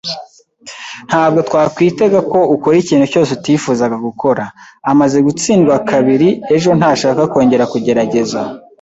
Ntabwo twakwitega ko ukora ikintu cyose utifuzaga gukora. Amaze gutsindwa kabiri ejo, ntashaka kongera kugerageza.